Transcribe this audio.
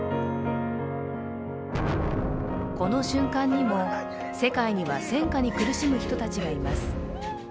この瞬間にも世界には戦火に苦しむ人たちがいます。